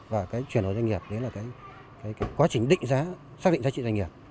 và cái chuyển đổi doanh nghiệp đấy là cái quá trình định giá xác định giá trị doanh nghiệp